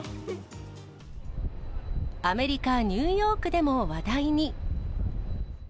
アメリカ・ニューヨークでも話題に。